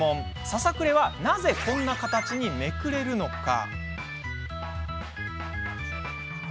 ささくれは、なぜこんな形にめくれるのか？